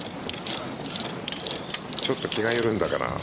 ちょっと気が緩んだかな。